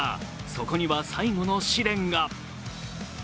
そこには最後の試練が。